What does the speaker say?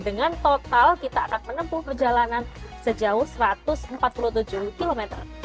dengan total kita akan menempuh perjalanan sejauh satu ratus empat puluh tujuh km